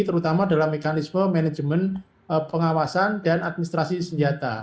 terutama dalam mekanisme manajemen pengawasan dan administrasi senjata